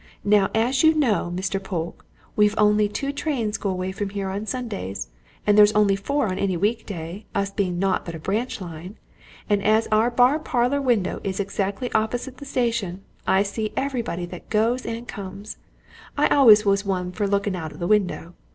Now, as you know, Mr. Polke, we've only two trains go away from here on Sundays, and there's only four on any week day, us being naught but a branch line, and as our bar parlour window is exactly opposite the station, I see everybody that goes and comes I always was one for looking out of window!